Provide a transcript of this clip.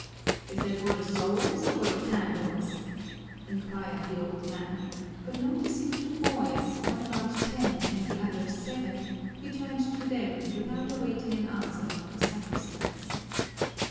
"Is that for the souls or for the candles?" inquired the old man, but noticing two boys, one about ten and the other seven, he turned to them without awaiting an answer from the sacristans.